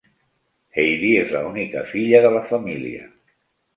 Heidi és l'única filla de la família.